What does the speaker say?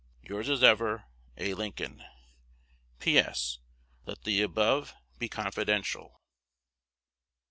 Yours as ever, A. Lincoln. P. S. Let the above be confidential.